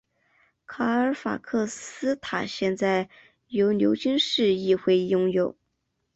卡尔法克斯塔现在由牛津市议会拥有。